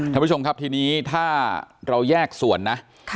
ท่านผู้ชมครับทีนี้ถ้าเราแยกส่วนนะ